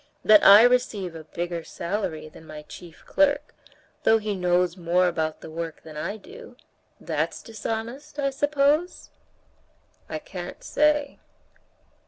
That I receive a bigger salary than my chief clerk, though he knows more about the work than I do—that's dishonest, I suppose?" "I can't say."